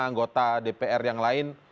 anggota dpr yang lain